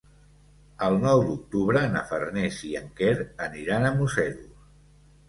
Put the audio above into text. El nou d'octubre na Farners i en Quer aniran a Museros.